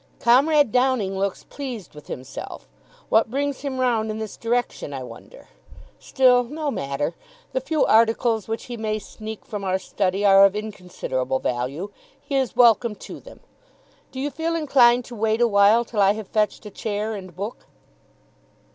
"Comrade Downing looks pleased with himself. What brings him round in this direction, I wonder! Still, no matter. The few articles which he may sneak from our study are of inconsiderable value. He is welcome to them. Do you feel inclined to wait awhile till I have fetched a chair and book?"